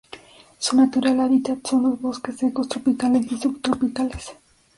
Su natural hábitat son los bosques secos tropicales y subtropicales.